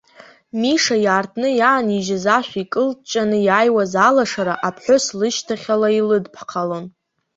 Миша иаартны иаанижьыз ашә икылҷҷаны иааиуаз алашара, аԥҳәыс лышьҭахьала илыдԥхалон.